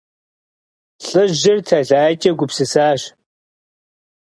Лӏыжьыр тэлайкӀэ гупсысащ.